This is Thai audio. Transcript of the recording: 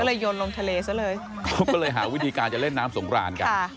โยนลงทะเลซะเลยเขาก็เลยหาวิธีการจะเล่นน้ำสงครานกัน